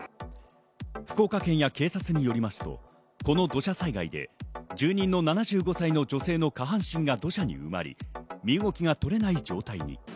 福岡県や警察によりますと、この土砂災害で住人の７５歳の女性の下半身が土砂に埋まり、身動きが取れない状態に。